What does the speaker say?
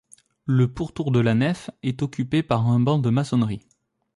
Le pourtour de la nef est occupé par un banc de maçonnerie.